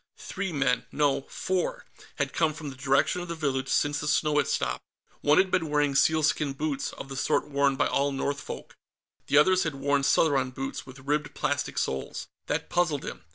Three men no, four had come from the direction of the village since the snow had stopped. One had been wearing sealskin boots, of the sort worn by all Northfolk. The others had worn Southron boots, with ribbed plastic soles. That puzzled him.